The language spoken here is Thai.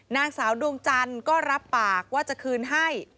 นางสาวดวงจันทร์ก็รับปากว่าจะคืนให้